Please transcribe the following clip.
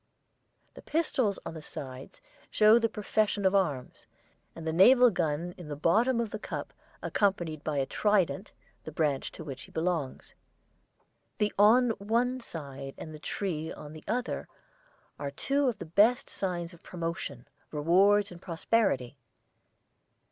The pistols on the sides show the profession of arms, and the naval gun in the bottom of the cup accompanied by a trident the branch to which he belongs. The on one side and the tree on the other are two of the best signs of promotion, rewards, and prosperity.